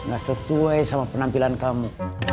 gak sesuai sama penampilan kamu